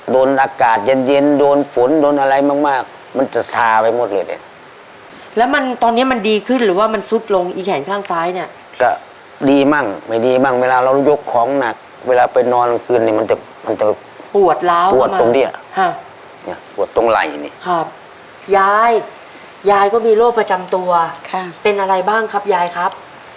โดนอากาศเย็นเย็นโดนฝนโดนอะไรมากมากมันจะชาไปหมดเลยเนี่ยแล้วมันตอนนี้มันดีขึ้นหรือว่ามันซุดลงอีแขนข้างซ้ายเนี่ยก็ดีมั่งไม่ดีบ้างเวลาเรายกของหนักเวลาไปนอนกลางคืนเนี่ยมันจะมันจะปวดล้าวปวดตรงเนี้ยปวดตรงไหล่เนี่ยครับยายยายก็มีโรคประจำตัวค่ะเป็นอะไรบ้างครับยายครับ